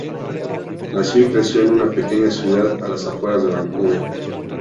Nació y creció en una pequeña ciudad a las afueras de Vancouver.